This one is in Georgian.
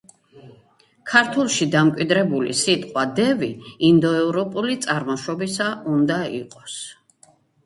ქართულში დამკვიდრებული სიტყვა „დევი“ ინდოევროპული წარმოშობისა უნდა იყოს.